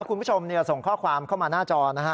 คุณผู้ชมส่งข้อความเข้ามาหน้าจอนะฮะ